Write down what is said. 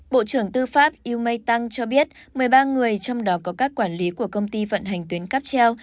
bộ trưởng tư pháp yumay tăng cho biết một mươi ba người trong đó có các quản lý của công ty vận hành tuyến cắp treo